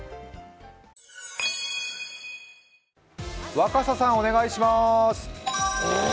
若狭さん、お願いします。